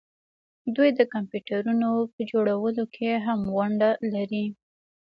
دوی د کمپیوټرونو په جوړولو کې هم ونډه لري.